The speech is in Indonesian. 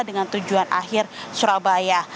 dengan tujuan akhir surabaya